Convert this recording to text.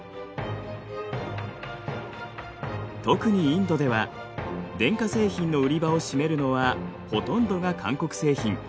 特にインドでは電化製品の売り場を占めるのはほとんどが韓国製品。